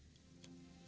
janganlah kau berguna